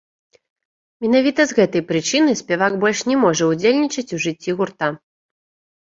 Менавіта з гэтай прычыны спявак больш не можа ўдзельнічаць у жыцці гурта.